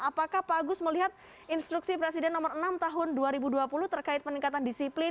apakah pak agus melihat instruksi presiden nomor enam tahun dua ribu dua puluh terkait peningkatan disiplin